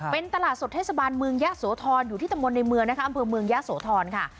เป็นตลาดสดเทศบาลเมืองยะโสธรอยู่ที่ตำบลในเมืองนะคะอำเภอเมืองยะโสธรค่ะ